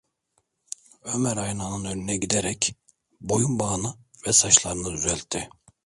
Ömer aynanın önüne giderek boyunbağını ve saçlarını düzeltti.